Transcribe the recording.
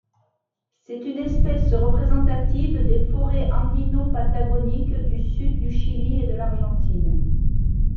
C'est une espèce représentative des forêts andino-patagoniques du sud du Chili et de l'Argentine.